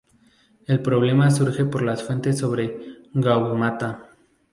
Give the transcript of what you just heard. El problema surge por las fuentes sobre Gaumata.